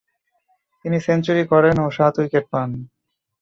তিনি সেঞ্চুরি করেন ও সাত উইকেট পান।